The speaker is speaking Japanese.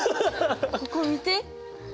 ここ見て！